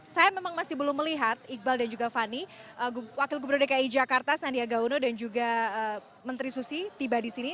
saya memang masih belum melihat iqbal dan juga fani wakil gubernur dki jakarta sandiaga uno dan juga menteri susi tiba di sini